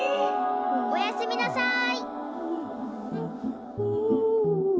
おやすみなさい。